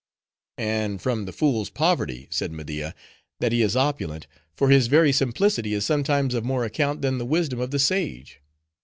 "And from the fool's poverty," said Media, "that he is opulent; for his very simplicity, is sometimes of more account than the wisdom of the sage.